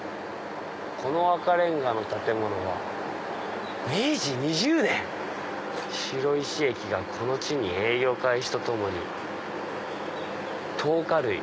この赤煉瓦の建物は明治二十年」⁉「白石駅がこの地に営業開始とともに灯火類」。